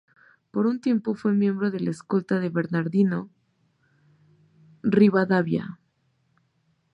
Por un tiempo fue miembro de la escolta de Bernardino Rivadavia.